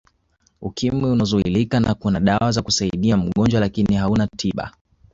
Ukimwi unazuilika na kuna dawa za kusaidia mgojwa lakini hauna tiba